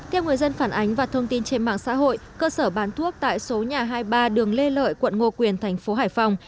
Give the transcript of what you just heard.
theo người dân phản ánh và thông tin trên mạng xã hội cơ sở bán thuốc tại số nhà hai mươi ba đường lê lợi quận ngô quyền thành phố hải phòng